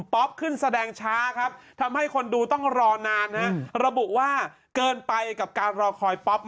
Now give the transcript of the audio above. ขึ้นแสดงช้าครับทำให้คนดูต้องรอนานฮะระบุว่าเกินไปกับการรอคอยป๊อป